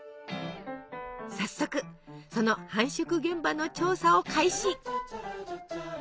早速その繁殖現場の調査を開始！